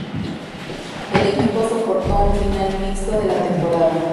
El equipo soportó un final mixto de la temporada.